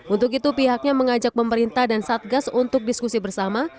untuk itu pihaknya mengajak pemerintah dan satgas untuk diskusi bersama